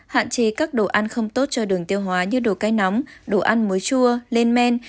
hạn chế các đồ ăn không tốt cho đường tiêu hóa như đồ cây nóng đồ ăn muối chua lên men